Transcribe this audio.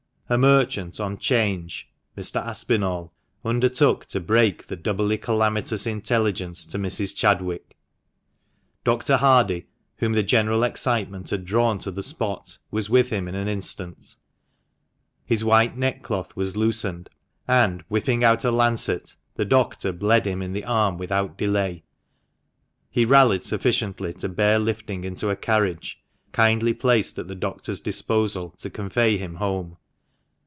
A merchant on 'Change (Mr. Aspinall) undertook to break the doubly calamitous intelligence to Mrs. Chadwick. Dr. Hardie, whom the general excitement had drawn to the spot, was with him in an instant, his white neckcloth was loosened, and, whipping out a lancet, the doctor bled him in the arm without delay. He rallied sufficiently to bear lifting into a carriage, kindly placed at the doctor's disposal to convey him home.